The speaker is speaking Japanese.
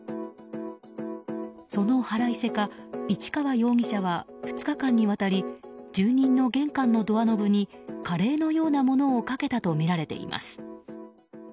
その腹いせか市川容疑者は２日間にわたり住人の玄関のドアノブにカレーのようなものをかけたとみられています。